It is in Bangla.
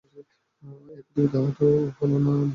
এই পৃথিবীতে হয়তো হল না, হল অন্য কোনো গ্রহে।